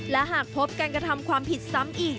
และหากพบการกระทำความผิดซ้ำอีก